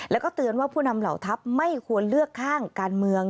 แล้วก็เตือนว่าผู้นำเหล่าทัพไม่ควรเลือกข้างการเมือง